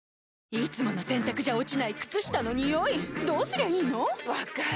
いつもの洗たくじゃ落ちない靴下のニオイどうすりゃいいの⁉分かる。